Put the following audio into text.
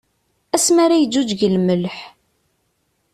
Asmi ara yeǧǧuǧǧeg lmelḥ.